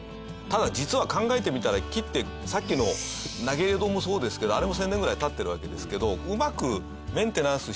ただ実は考えてみたら木ってさっきの投入堂もそうですけどあれも１０００年ぐらい経ってるわけですけど。